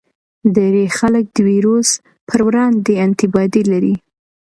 ډیری خلک د ویروس پر وړاندې انټي باډي لري.